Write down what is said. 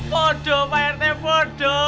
podo pak rt podo